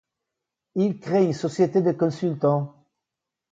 Il crée une société de consultant.